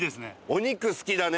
お肉好きだね。